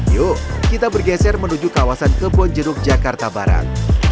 yuk kita bergeser menuju kawasan kebon jeruk jakarta barat